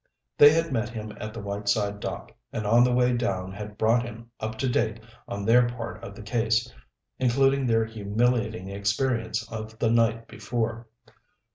They had met him at the Whiteside dock, and on the way down had brought him up to date on their part of the case, including their humiliating experience of the night before.